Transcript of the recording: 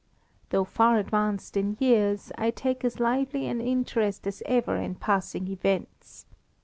"Though far advanced in years, I take as lively an interest as ever in passing events.